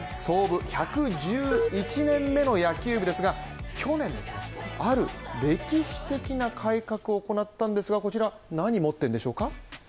創部１１１年目の野球部ですが去年、ある歴史的な改革を行ったんですがこちら、何を持っているんでしょうか？